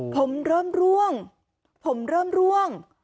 ผมเริ่มร่วงผมเริ่มร่วง